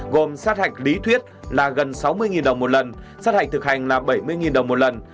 gồm sát hạch lý thuyết là gần sáu mươi đồng một lần sát hạch thực hành là bảy mươi đồng một lần